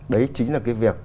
đấy chính là cái việc